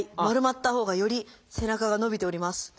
丸まったほうがより背中が伸びております。